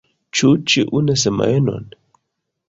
Ĉu ĉiun semajnon?